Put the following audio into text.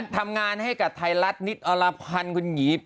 ทำงานให้กับไทรรัสนิตอลลาพันธุ์คุณหญิบ